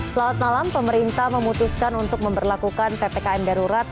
selamat malam pemerintah memutuskan untuk memperlakukan ppkm darurat